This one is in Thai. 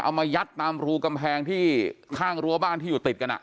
มายัดตามรูกำแพงที่ข้างรั้วบ้านที่อยู่ติดกัน